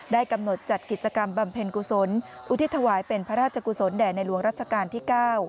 กำหนดจัดกิจกรรมบำเพ็ญกุศลอุทิศถวายเป็นพระราชกุศลแด่ในหลวงรัชกาลที่๙